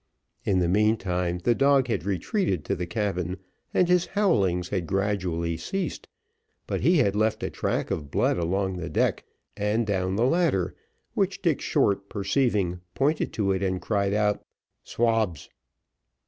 In the meantime, the dog had retreated to the cabin, and his howlings had gradually ceased; but he had left a track of blood along the deck, and down the ladder, which Dick Short perceiving, pointed to it, and cried out "Swabs."